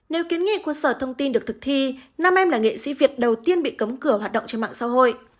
nếu kiến nghị của sở thông tin được thực thi năm em là nghệ sĩ việt đầu tiên bị cấm cửa hoạt động trên mạng xã hội